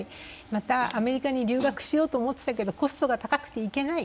またアメリカに留学しようと思っていたけれどコストが高くて行けない。